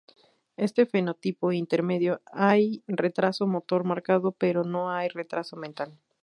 En este fenotipo intermedio, hay retraso motor marcado pero no hay retraso mental.